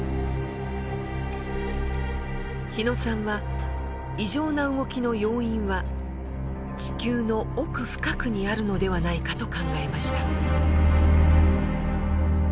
日野さんは異常な動きの要因は地球の奥深くにあるのではないかと考えました。